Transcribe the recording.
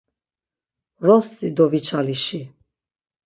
Vrossi doviçalişi.